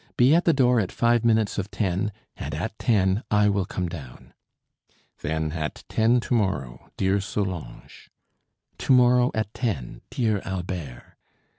Be at the door at five minutes of ten, and at ten I will come down." "Then, at ten to morrow, dear Solange." "To morrow at ten, dear Albert."